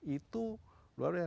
itu luar biasa